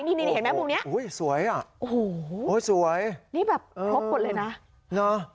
นี่นี่ดูเหมือนแบบนี้โอ้โหเหมือนแบบพบกันเลยน่ะอ๋อ